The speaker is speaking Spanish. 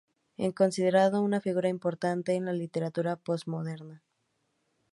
Es considerado una figura importante en la literatura posmoderna.